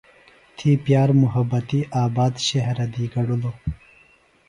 تھی پِیار مُحبتی آباد شہرہ دی گڈِلوۡ۔